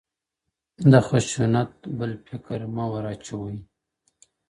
له خشونت بل فکر مه ور اچوئ